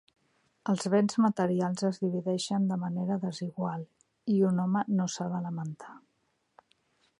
Els béns materials es divideixen de manera desigual, i un home no s'ha de lamentar.